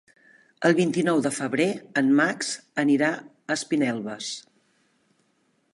El vint-i-nou de febrer en Max anirà a Espinelves.